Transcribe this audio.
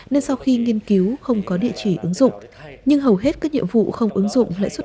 nên sau khi nghiên cứu không có địa chỉ ứng dụng nhưng hầu hết các nhiệm vụ không ứng dụng lại xuất